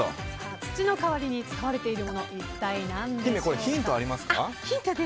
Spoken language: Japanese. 土の代わりに使われてるものは一体何でしょうか。